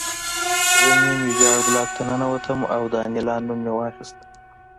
زه نیم ویجاړ بلاک ته ننوتم او د انیلا نوم مې واخیست